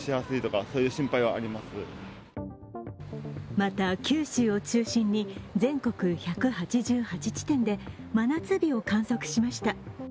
また、九州を中心に全国１８８地点で真夏日を観測しました。